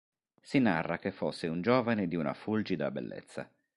Si narra che fosse un giovane di una fulgida bellezza.